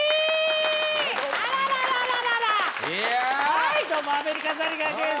はいどうもアメリカザリガニです。